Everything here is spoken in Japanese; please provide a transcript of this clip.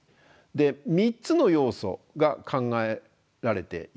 ３つの要素が考えられています。